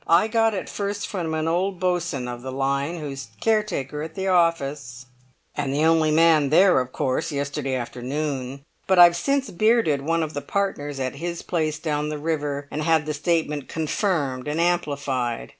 I got it first from an old boatswain of the line who's caretaker at the office, and the only man there, of course, yesterday afternoon; but I've since bearded one of the partners at his place down the river, and had the statement confirmed and amplified.